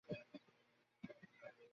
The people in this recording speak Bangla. পরাবৃত্ত এখানে গুরুত্বপূর্ণ।